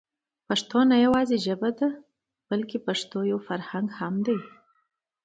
پښتو نه يوازې ژبه ده بلکې پښتو يو فرهنګ هم دی.